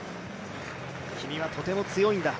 君はとても強いんだ